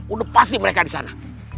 udah pasti mereka di sana